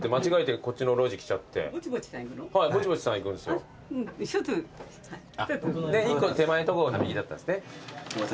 ねっ１個手前の所右だったんですね。